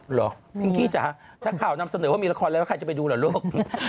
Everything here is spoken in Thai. พิงกี้จ๋าถ้าข่าวนำเสนอว่ามีละครอะไรว่าใครจะไปดูเหรอลูก